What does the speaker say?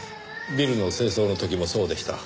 ビルの清掃の時もそうでした。